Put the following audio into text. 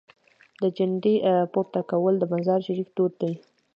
د جنډې پورته کول د مزار شریف دود دی.